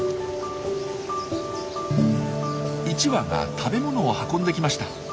１羽が食べ物を運んできました。